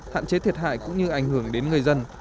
hạn chế thiệt hại cũng như ảnh hưởng đến người dân